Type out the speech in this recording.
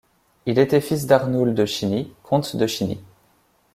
Il était fils d'Arnoul de Chiny, comte de Chiny.